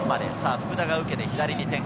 福田が受けて左に展開。